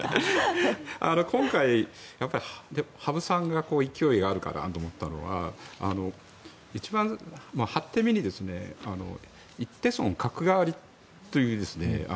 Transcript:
今回、羽生さんが勢いがあるかなと思ったのは８手目に一手損角換わりという。